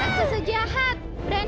take sejahat beraninya sama anak perempuan